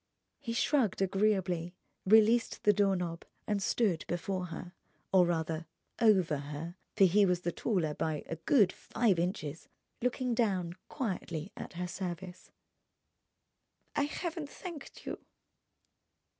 He shrugged agreeably, released the door knob, and stood before her, or rather over her—for he was the taller by a good five inches—looking down, quietly at her service. "I haven't thanked you."